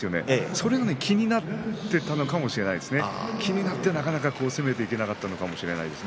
それが気になっていたのかもしれませんね。